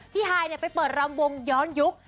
พี่ไฮไปเปิดรำวงย้อนยุก